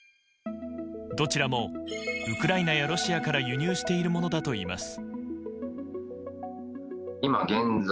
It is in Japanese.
どちらもウクライナやロシアから輸入しているものだといいます。